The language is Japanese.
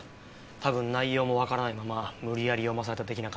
多分内容もわからないまま無理やり読まされた的な感じ。